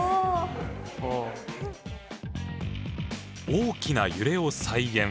大きな揺れを再現。